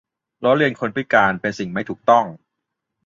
ล้อเลียนคนพิการ เป็นสิ่งที่ไม่ถูกต้อง